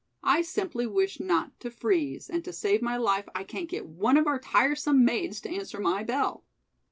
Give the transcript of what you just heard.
I simply wish not to freeze, and to save my life I can't get one of our tiresome maids to answer my bell."